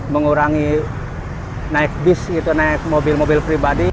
mengurangi naik bis naik mobil mobil pribadi